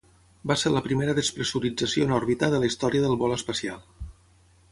Va ser la primera despressurització en òrbita de la història del vol espacial.